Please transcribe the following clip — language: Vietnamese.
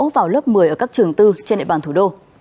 vào lớp một mươi ở các trường tư trên địa bàn thủ đô